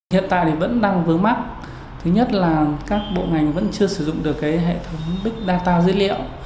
hiện tại thì vẫn đang vướng mắt thứ nhất là các bộ ngành vẫn chưa sử dụng được hệ thống big data dữ liệu